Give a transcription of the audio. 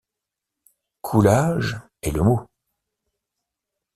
Coulage est le mot.